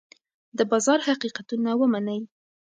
د بازار حقیقتونه ومنئ.